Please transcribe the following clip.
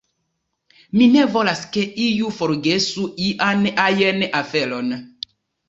Mi ne volas ke iu forgesu ian ajn aferon.